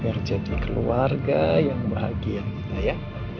biar jadi keluarga yang bahagia kita ya